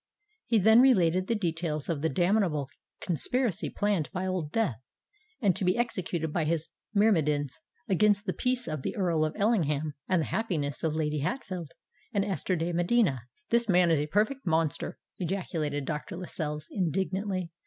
He then related the details of the damnable conspiracy planned by Old Death, and to be executed by his myrmidons, against the peace of the Earl of Ellingham and the happiness of Lady Hatfield and Esther de Medina. "This man is a perfect monster!" ejaculated Dr. Lascelles indignantly.